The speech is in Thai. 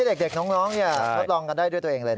เด็กน้องทดลองกันได้ด้วยตัวเองเลยนะ